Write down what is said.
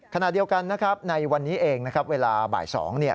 ขณะเดียวกันนะครับในวันนี้เองนะครับเวลาบ่าย๒เนี่ย